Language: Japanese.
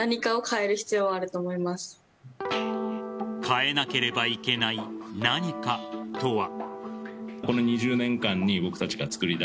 変えなければいけない何かとは。